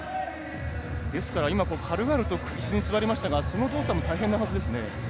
ですから、軽々といすに座りましたがその動作も大変なはずですね。